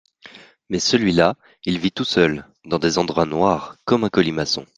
Mais celui-là, il vit tout seul, dans des endroits noirs, comme un colimaçon !…